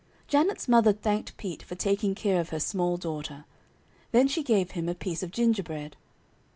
Janet's mother thanked Pete for taking care of her small daughter. Then she gave him a piece of gingerbread.